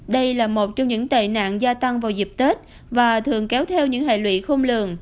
đây là một trong những tệ nạn gia tăng vào dịp tết và thường kéo theo những hệ lụy khôn lường